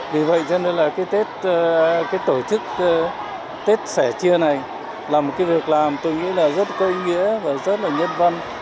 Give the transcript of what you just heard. vì vậy cho nên là cái tết cái tổ chức tết sẻ chia này là một cái việc làm tôi nghĩ là rất có ý nghĩa và rất là nhân văn